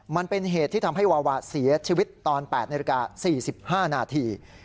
มันเป็นเหตุที่ทำให้วาวาเสียชีวิตตอน๘นาฬิกา๔๕นาที